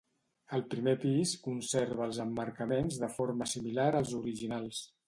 El primer pis conserva els emmarcaments de forma similar als originals.